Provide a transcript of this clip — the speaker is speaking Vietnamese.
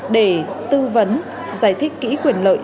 để tư vấn giải thích kỹ quyền lợi